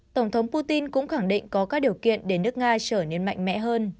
tổng thống putin cũng khẳng định có các điều kiện để nước nga trở nên mạnh mẽ hơn